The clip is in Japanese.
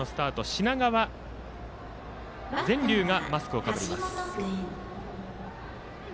品川善琉がマスクをかぶります。